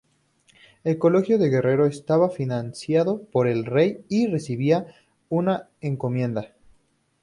El colegio de Guerrero estaba financiado por el Rey y recibía una encomienda.